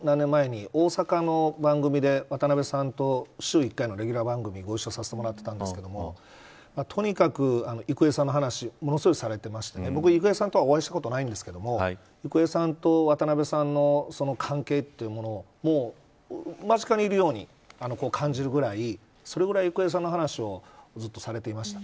僕、政治家になる前十何年前に、大阪の番組で渡辺さんと週１回のレギュラー番組ご一緒させてもらっただんですけどとにかく郁恵さんの話をものすごいされていまして郁恵さんとお会いしたことないんですけど郁恵さんと渡辺さんの関係というものを間近にいるように感じるぐらいそれぐらい郁恵さんの話をずっとされていました。